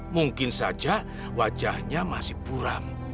mungkin saja wajahnya masih kurang